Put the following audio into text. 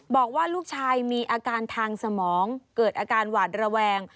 บอกว่าลูกชายมีอาการทางสมองเกิดอาการหวาดระแวง